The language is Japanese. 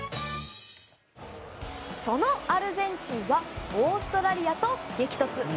そのアルゼンチンはオーストラリアと激突。